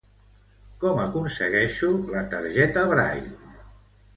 Com aconsegueixo la targeta Braile?